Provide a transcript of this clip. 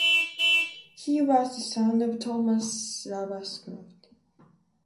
He was the son of Thomas Ravenscroft.